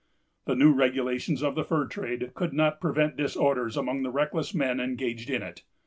The new regulations of the fur trade could not prevent disorders among the reckless men engaged in it.